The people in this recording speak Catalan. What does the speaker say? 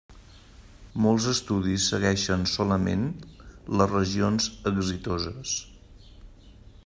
Molts estudis segueixen solament les regions exitoses.